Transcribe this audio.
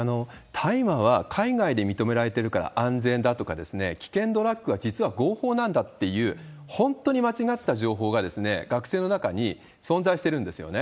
大麻は海外で認められてるから安全だとか、危険ドラッグは実は合法なんだという、本当に間違った情報が、学生の中に存在してるんですよね。